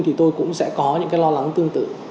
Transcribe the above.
thì tôi cũng sẽ có những cái lo lắng tương tự